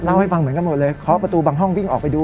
ให้ฟังเหมือนกันหมดเลยเคาะประตูบางห้องวิ่งออกไปดู